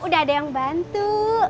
udah ada yang bantu